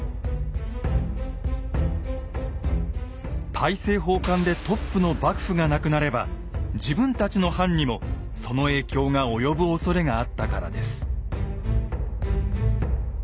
大政奉還でトップの幕府がなくなれば自分たちの藩にもその影響が及ぶおそれがあったからです。